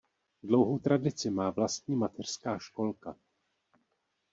Dlouhou tradici má vlastní mateřská školka.